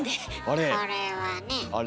これはねえ。